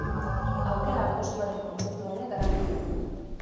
Aukera-kostuaren kontzeptua ere garatu zuen.